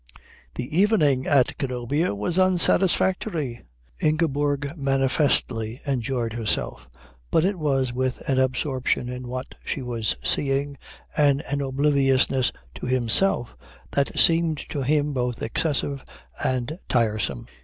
The evening at Cannobio was unsatisfactory. Ingeborg manifestly enjoyed herself, but it was with an absorption in what she was seeing and an obliviousness to himself that seemed to him both excessive and tiresome.